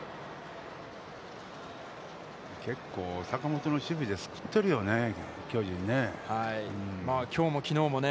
結構、坂本の守備で救っているよね、巨人ね。